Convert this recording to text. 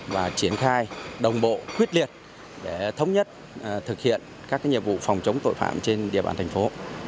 và triển khai đồng bộ quyết liệt để thống nhất thực hiện các nhiệm vụ phòng chống tội phạm trên địa bàn thành phố